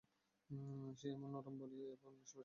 সে এমন নরম বলিয়াই এমন বীভৎস, সেই ক্ষুধার পুঞ্জ!